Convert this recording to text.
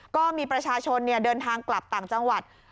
ก็มีประชาชนเดินทางกลับต่างจังหวัด